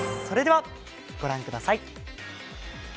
それでは、御覧ください。